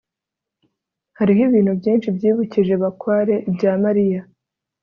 hariho ibintu byinshi byibukije bakware ibya mariya